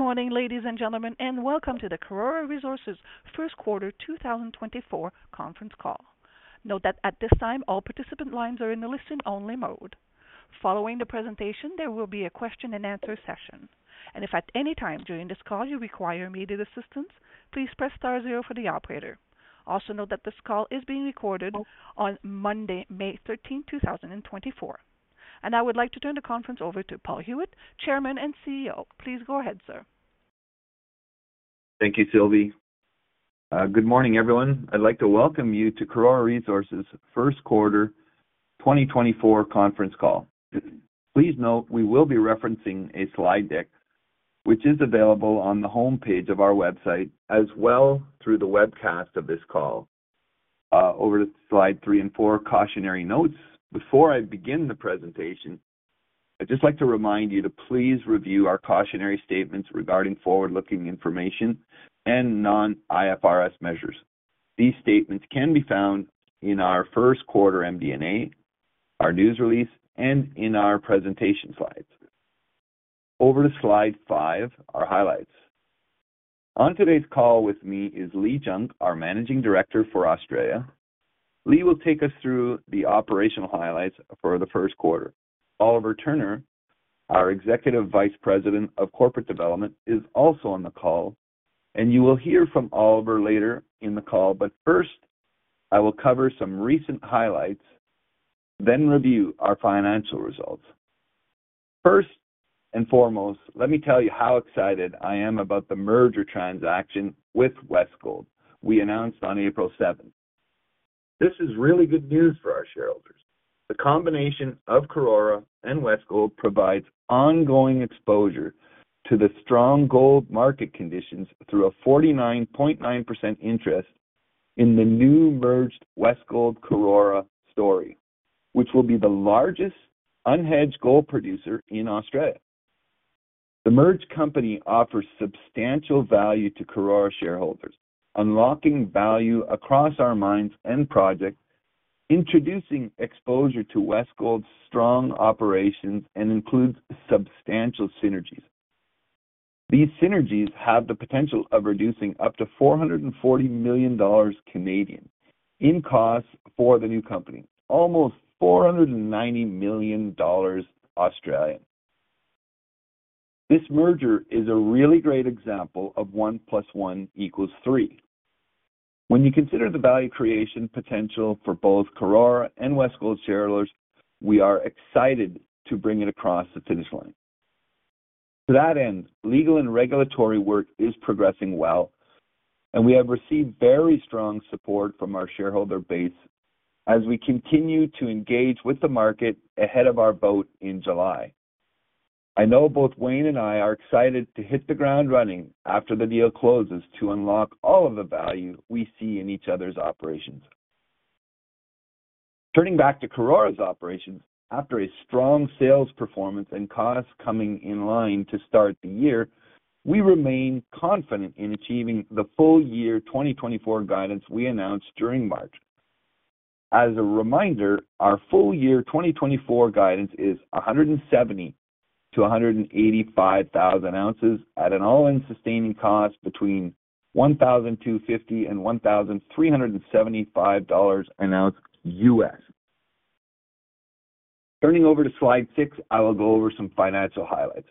Good morning, ladies and gentlemen, and welcome to the Karora Resources Q1 2024 conference call. Note that at this time all participant lines are in the listen-only mode. Following the presentation there will be a question-and-answer session, and if at any time during this call you require immediate assistance please press star zero for the operator. Also note that this call is being recorded on Monday, May 13, 2024. I would like to turn the conference over to Paul Huet, Chairman and CEO. Please go ahead, sir. Thank you, Sylvie. Good morning, everyone. I'd like to welcome you to Karora Resources Q1 2024 conference call. Please note we will be referencing a slide deck which is available on the homepage of our website as well through the webcast of this call. Over to slide 3 and 4, cautionary notes. Before I begin the presentation, I'd just like to remind you to please review our cautionary statements regarding forward-looking information and non-IFRS measures. These statements can be found in our Q1 MD&A, our news release, and in our presentation slides. Over to slide 5, our highlights. On today's call with me is Leigh Junk, our Managing Director for Australia. Leigh will take us through the operational highlights for the Q1. Oliver Turner, our Executive Vice President of Corporate Development, is also on the call, and you will hear from Oliver later in the call, but first I will cover some recent highlights, then review our financial results. First and foremost, let me tell you how excited I am about the merger transaction with Westgold we announced on April 7th. This is really good news for our shareholders. The combination of Karora and Westgold provides ongoing exposure to the strong gold market conditions through a 49.9% interest in the new merged Westgold-Karora story, which will be the largest unhedged gold producer in Australia. The merged company offers substantial value to Karora shareholders, unlocking value across our mines and projects, introducing exposure to Westgold's strong operations, and includes substantial synergies. These synergies have the potential of reducing up to 440 million Canadian dollars in costs for the new company, almost 490 million Australian dollars. This merger is a really great example of one plus one equals three. When you consider the value creation potential for both Karora and Westgold shareholders, we are excited to bring it across the finish line. To that end, legal and regulatory work is progressing well, and we have received very strong support from our shareholder base as we continue to engage with the market ahead of our vote in July. I know both Wayne and I are excited to hit the ground running after the deal closes to unlock all of the value we see in each other's operations. Turning back to Karora's operations, after a strong sales performance and costs coming in line to start the year, we remain confident in achieving the full year 2024 guidance we announced during March. As a reminder, our full year 2024 guidance is 170,000-185,000 ounces at an all-in sustaining cost between $1,250-$1,375 per ounce USD. Turning over to slide 6, I will go over some financial highlights.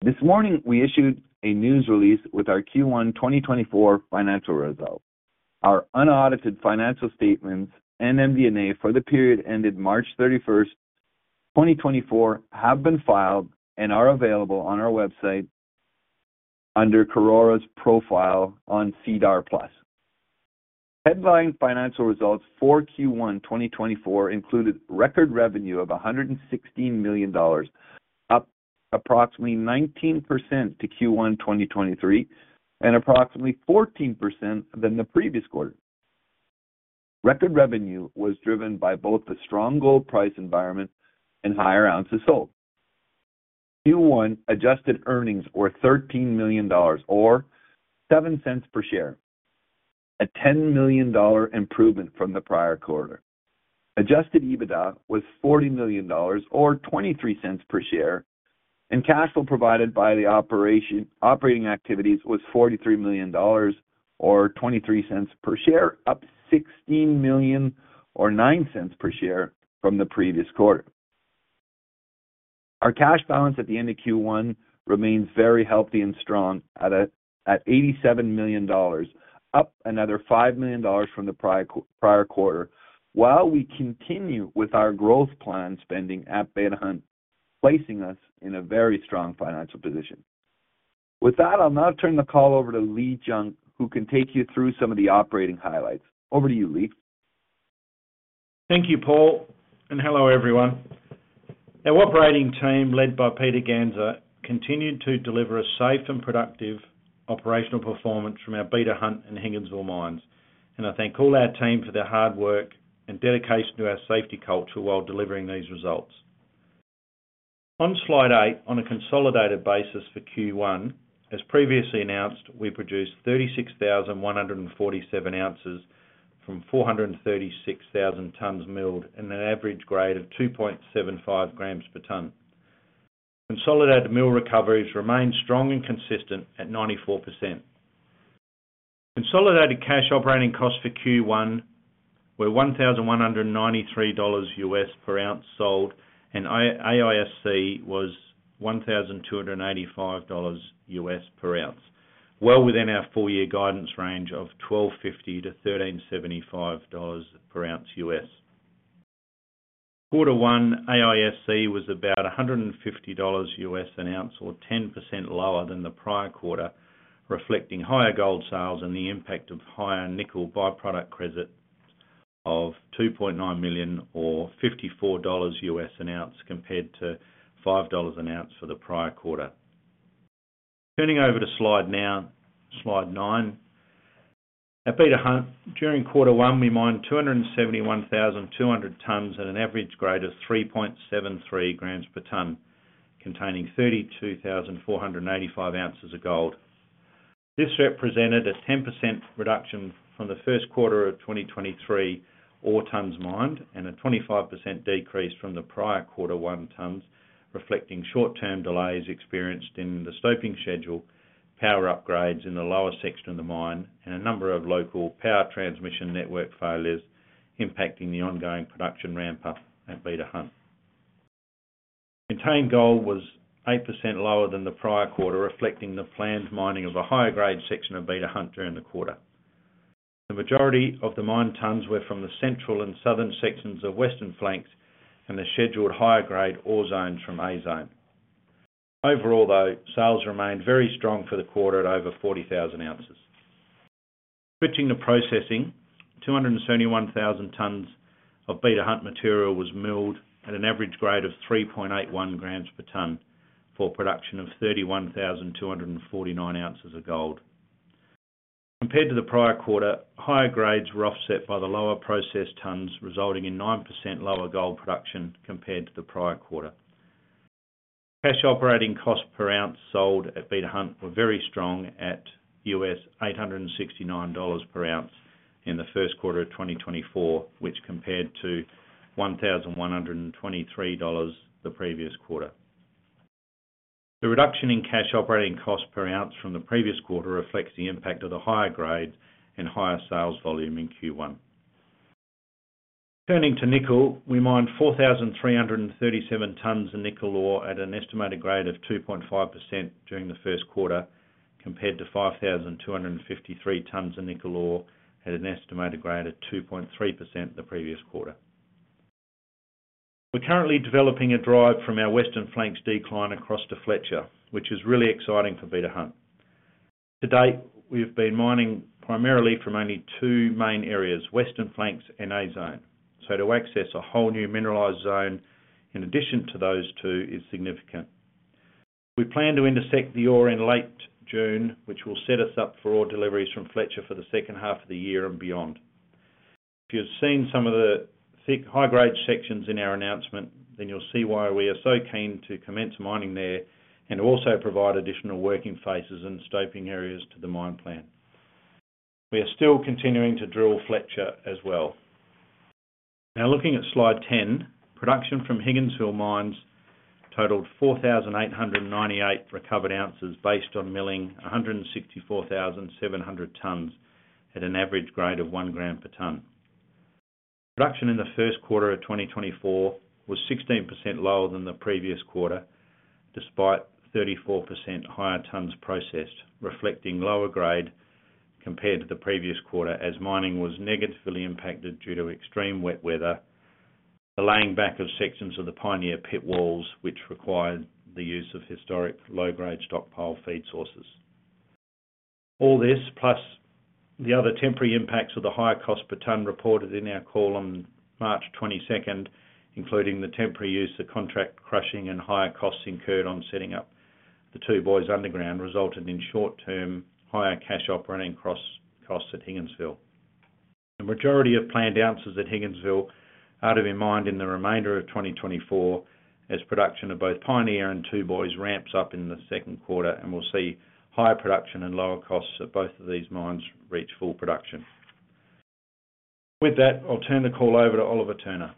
This morning we issued a news release with our Q1 2024 financial results. Our unaudited financial statements and MD&A for the period ended March 31, 2024, have been filed and are available on our website under Karora's profile on SEDAR+. Headline financial results for Q1 2024 included record revenue of $116 million, up approximately 19% to Q1 2023 and approximately 14% than the previous quarter. Record revenue was driven by both the strong gold price environment and higher ounces sold. Q1 adjusted earnings were $13 million or $0.07 per share, a $10 million improvement from the prior quarter. Adjusted EBITDA was $40 million or $0.23 per share, and cash flow provided by the operating activities was $43 million or $0.23 per share, up $16 million or $0.09 per share from the previous quarter. Our cash balance at the end of Q1 remains very healthy and strong at $87 million, up another $5 million from the prior quarter, while we continue with our growth plan spending at Beta Hunt, placing us in a very strong financial position. With that, I'll now turn the call over to Leigh Junk, who can take you through some of the operating highlights. Over to you, Leigh. Thank you, Paul, and hello everyone. Our operating team, led by Peter Ganza, continued to deliver a safe and productive operational performance from our Beta Hunt and Higginsville mines, and I thank all our team for their hard work and dedication to our safety culture while delivering these results. On Slide 8, on a consolidated basis for Q1, as previously announced, we produced 36,147 ounces from 436,000 tons milled in an average grade of 2.75 grams per ton. Consolidated mill recoveries remain strong and consistent at 94%. Consolidated cash operating costs for Q1 were $1,193 per ounce sold, and AISC was $1,285 per ounce, well within our full-year guidance range of $1,250-$1,375 per ounce. Quarter one, AISC was about $150 an ounce or 10% lower than the prior quarter, reflecting higher gold sales and the impact of higher nickel byproduct credit of $2.9 million or $54 an ounce compared to $5 an ounce for the prior quarter. Turning now to slide 9. At Beta Hunt, during quarter one we mined 271,200 tons at an average grade of 3.73 grams per ton, containing 32,485 ounces of gold. This represented a 10% reduction from the Q1 of 2023 all tons mined and a 25% decrease from the prior quarter one tons, reflecting short-term delays experienced in the stoping schedule, power upgrades in the lower section of the mine, and a number of local power transmission network failures impacting the ongoing production ramp up at Beta Hunt. Contained gold was 8% lower than the prior quarter, reflecting the planned mining of a higher grade section of Beta Hunt during the quarter. The majority of the mined tons were from the central and southern sections of Western Flanks and the scheduled higher grade ore zones from A Zone. Overall, though, sales remained very strong for the quarter at over 40,000 ounces. Switching to processing, 271,000 tons of Beta Hunt material was milled at an average grade of 3.81 grams per ton for a production of 31,249 ounces of gold. Compared to the prior quarter, higher grades were offset by the lower processed tons, resulting in 9% lower gold production compared to the prior quarter. Cash operating costs per ounce sold at Beta Hunt were very strong at $869 per ounce in the Q1 of 2024, which compared to $1,123 the previous quarter. The reduction in cash operating costs per ounce from the previous quarter reflects the impact of the higher grades and higher sales volume in Q1. Turning to nickel, we mined 4,337 tons of nickel ore at an estimated grade of 2.5% during the Q1 compared to 5,253 tons of nickel ore at an estimated grade of 2.3% the previous quarter. We're currently developing a drive from our Western Flanks decline across to Fletcher, which is really exciting for Beta Hunt. To date, we've been mining primarily from only two main areas, Western Flanks and A Zone. So to access a whole new mineralized zone in addition to those two is significant. We plan to intersect the ore in late June, which will set us up for ore deliveries from Fletcher for the second half of the year and beyond. If you've seen some of the thick high-grade sections in our announcement, then you'll see why we are so keen to commence mining there and to also provide additional working faces and stoping areas to the mine plan. We are still continuing to drill Fletcher as well. Now, looking at slide 10, production from Higginsville mines totaled 4,898 recovered ounces based on milling 164,700 tons at an average grade of one gram per ton. Production in the Q1 of 2024 was 16% lower than the previous quarter despite 34% higher tons processed, reflecting lower grade compared to the previous quarter as mining was negatively impacted due to extreme wet weather, the laying back of sections of the Pioneer pit walls which required the use of historic low-grade stockpile feed sources. All this plus the other temporary impacts of the higher cost per ton reported in our call on March 22nd, including the temporary use of contract crushing and higher costs incurred on setting up the Two Boys Underground, resulted in short-term higher cash operating costs at Higginsville. The majority of planned ounces at Higginsville are to be mined in the remainder of 2024 as production of both Pioneer and Two Boys ramps up in the Q2, and we'll see higher production and lower costs at both of these mines reach full production. With that, I'll turn the call over to Oliver Turner.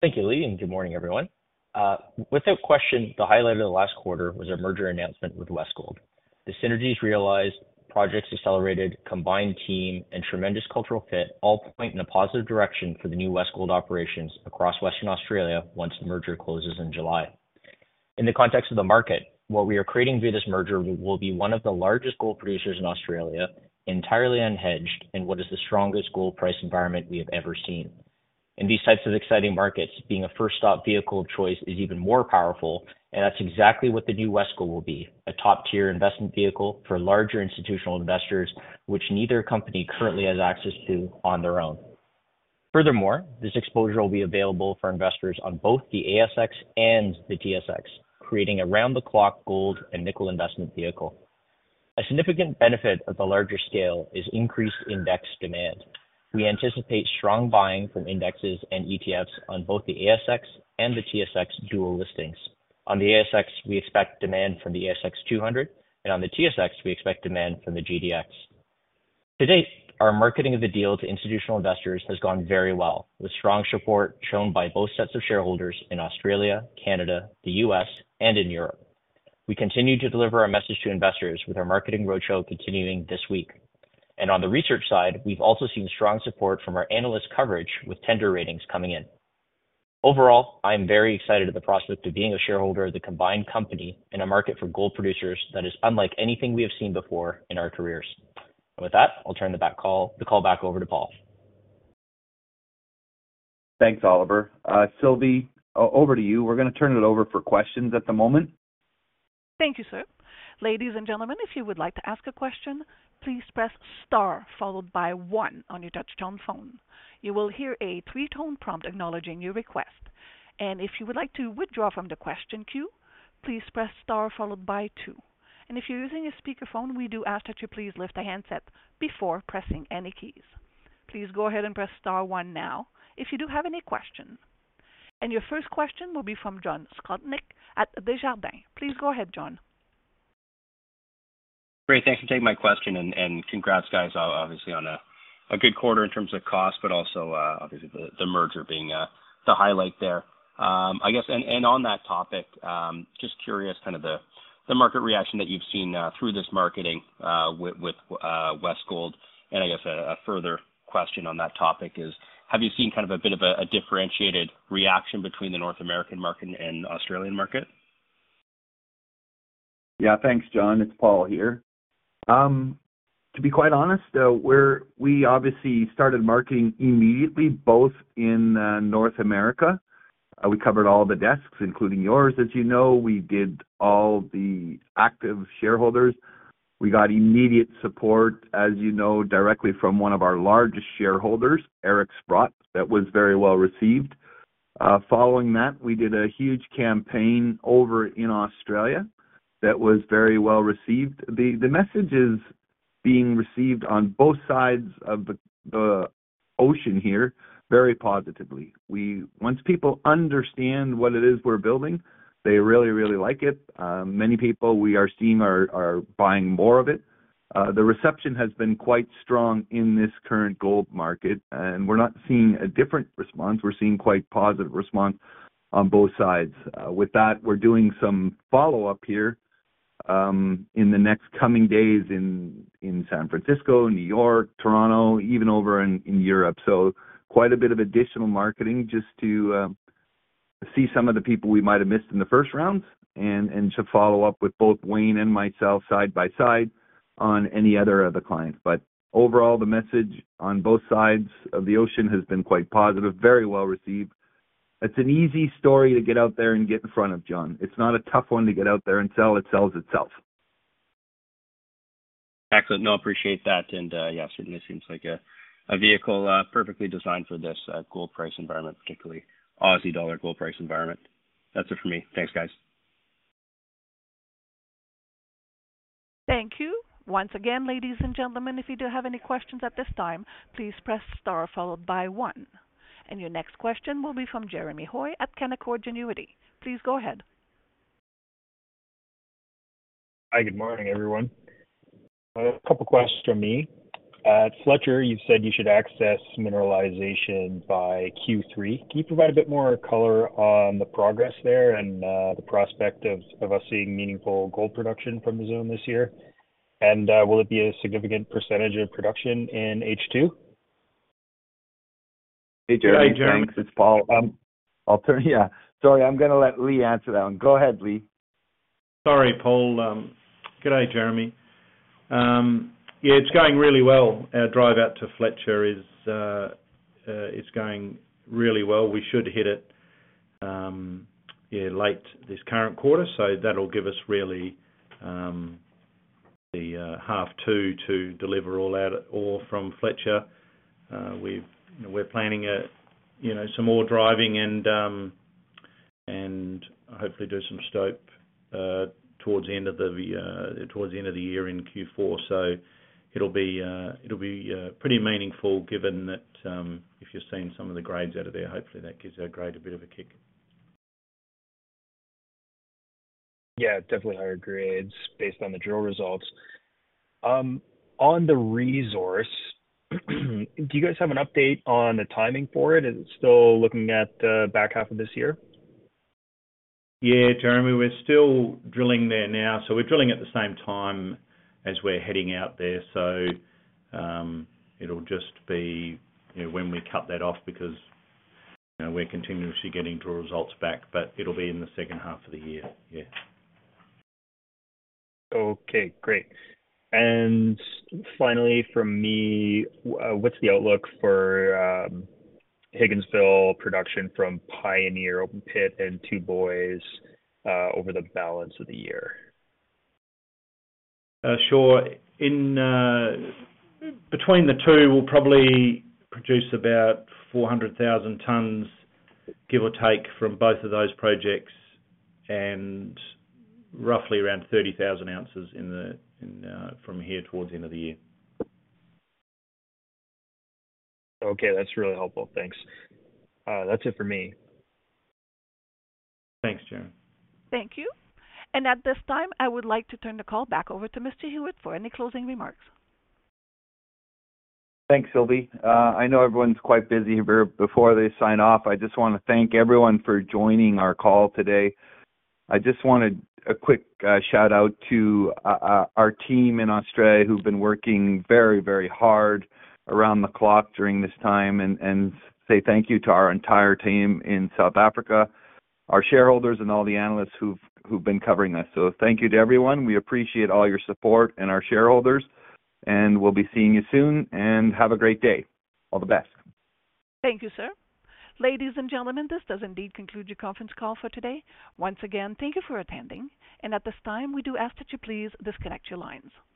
Thank you, Leigh, and good morning, everyone. Without question, the highlight of the last quarter was our merger announcement with Westgold. The synergies realized, projects accelerated, combined team, and tremendous cultural fit all point in a positive direction for the new Westgold operations across Western Australia once the merger closes in July. In the context of the market, what we are creating via this merger will be one of the largest gold producers in Australia, entirely unhedged, in what is the strongest gold price environment we have ever seen. In these types of exciting markets, being a first-stop vehicle of choice is even more powerful, and that's exactly what the new Westgold will be: a top-tier investment vehicle for larger institutional investors which neither company currently has access to on their own. Furthermore, this exposure will be available for investors on both the ASX and the TSX, creating a round-the-clock gold and nickel investment vehicle. A significant benefit of the larger scale is increased index demand. We anticipate strong buying from indexes and ETFs on both the ASX and the TSX dual listings. On the ASX, we expect demand from the ASX 200, and on the TSX, we expect demand from the GDX. To date, our marketing of the deal to institutional investors has gone very well, with strong support shown by both sets of shareholders in Australia, Canada, the U.S., and in Europe. We continue to deliver our message to investors with our marketing roadshow continuing this week. And on the research side, we've also seen strong support from our analyst coverage with tender ratings coming in. Overall, I am very excited at the prospect of being a shareholder of the combined company in a market for gold producers that is unlike anything we have seen before in our careers. With that, I'll turn the call back over to Paul. Thanks, Oliver. Sylvie, over to you. We're going to turn it over for questions at the moment. Thank you, sir. Ladies and gentlemen, if you would like to ask a question, please press star followed by one on your touch-tone phone. You will hear a three-tone prompt acknowledging your request. And if you would like to withdraw from the question queue, please press star followed by two. And if you're using a speakerphone, we do ask that you please lift the handset before pressing any keys. Please go ahead and press star one now if you do have any question. And your first question will be from John Sclodnick at Desjardins. Please go ahead, John. Great. Thanks for taking my question, and congrats, guys, obviously, on a good quarter in terms of cost, but also obviously the merger being the highlight there. I guess, and on that topic, just curious kind of the market reaction that you've seen through this marketing with Westgold. I guess a further question on that topic is, have you seen kind of a bit of a differentiated reaction between the North American market and Australian market? Yeah, thanks, John. It's Paul here. To be quite honest, though, we obviously started marketing immediately both in North America. We covered all the desks, including yours. As you know, we did all the active shareholders. We got immediate support, as you know, directly from one of our largest shareholders, Eric Sprott, that was very well received. Following that, we did a huge campaign over in Australia that was very well received. The message is being received on both sides of the ocean here very positively. Once people understand what it is we're building, they really, really like it. Many people we are seeing are buying more of it. The reception has been quite strong in this current gold market, and we're not seeing a different response. We're seeing quite positive response on both sides. With that, we're doing some follow-up here in the next coming days in San Francisco, New York, Toronto, even over in Europe. So quite a bit of additional marketing just to see some of the people we might have missed in the first rounds and to follow up with both Wayne and myself side by side on any other of the clients. But overall, the message on both sides of the ocean has been quite positive, very well received. It's an easy story to get out there and get in front of, John. It's not a tough one to get out there and sell. It sells itself. Excellent. No, I appreciate that. And yeah, certainly, it seems like a vehicle perfectly designed for this gold price environment, particularly Aussie dollar gold price environment. That's it for me. Thanks, guys. Thank you. Once again, ladies and gentlemen, if you do have any questions at this time, please press star followed by one. Your next question will be from Jeremy Hoy at Canaccord Genuity. Please go ahead. Hi, good morning, everyone. A couple of questions from me. At Fletcher, you've said you should access mineralization by Q3. Can you provide a bit more color on the progress there and the prospect of us seeing meaningful gold production from the zone this year? And will it be a significant percentage of production in H2? Hey, Jeremy. Hey, Jeremy. Thanks. It's Paul. Yeah. Sorry, I'm going to let Leigh answer that one. Go ahead, Leigh. Sorry, Paul. Good day, Jeremy. Yeah, it's going really well. Our drive out to Fletcher is going really well. We should hit it, yeah, late this current quarter, so that'll give us really the H2 to deliver all that ore from Fletcher. We're planning some more driving and hopefully do some stope towards the end of the year in Q4. So it'll be pretty meaningful given that if you're seeing some of the grades out of there, hopefully, that gives our grade a bit of a kick. Yeah, definitely higher grades based on the drill results. On the resource, do you guys have an update on the timing for it? Is it still looking at the back half of this year? Yeah, Jeremy, we're still drilling there now. So we're drilling at the same time as we're heading out there. So it'll just be when we cut that off because we're continuously getting drill results back, but it'll be in the second half of the year. Yeah. Okay, great. Finally, from me, what's the outlook for Higginsville production from Pioneer Open Pit and Two Boys over the balance of the year? Sure. Between the two, we'll probably produce about 400,000 tons, give or take, from both of those projects and roughly around 30,000 ounces from here towards the end of the year. Okay, that's really helpful. Thanks. That's it for me. Thanks, Jeremy. Thank you. At this time, I would like to turn the call back over to Mr. Huet for any closing remarks. Thanks, Sylvie. I know everyone's quite busy here before they sign off. I just want to thank everyone for joining our call today. I just wanted a quick shout-out to our team in Australia who've been working very, very hard around the clock during this time and say thank you to our entire team in South Africa, our shareholders, and all the analysts who've been covering us. So thank you to everyone. We appreciate all your support and our shareholders, and we'll be seeing you soon. And have a great day. All the best. Thank you, sir. Ladies and gentlemen, this does indeed conclude your conference call for today. Once again, thank you for attending. At this time, we do ask that you please disconnect your lines.